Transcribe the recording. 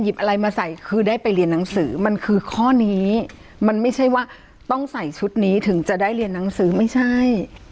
อะไรมาใส่คือได้ไปเรียนหนังสือมันคือข้อนี้มันไม่ใช่ว่าต้องใส่ชุดนี้ถึงจะได้เรียนหนังสือไม่ใช่